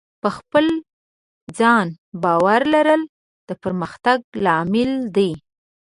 په خپل ځان باور لرل د پرمختګ لامل دی.